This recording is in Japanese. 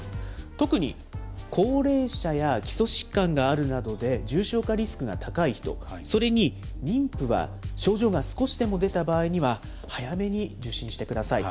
特に高齢者や基礎疾患があるなどで重症化リスクが高い人、それに妊婦は症状が少しでも出た場合には、早めに受診してください。